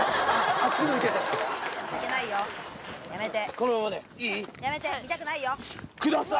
このままでいい？